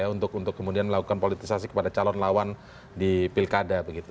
untuk kemudian melakukan politisasi kepada calon lawan di pilkada begitu